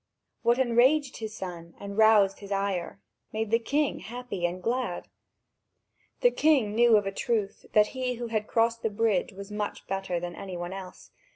What enraged his son and roused his ire, made the king happy and glad. The king knew of a truth that he who had crossed the bridge was much better than any one else.